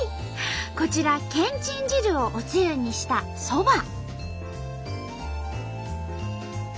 こちらけんちん汁をおつゆにしたそば。